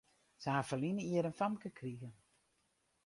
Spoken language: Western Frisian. Sy ha ferline jier in famke krigen.